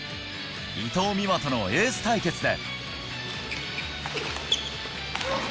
伊藤美誠とのエース対決で。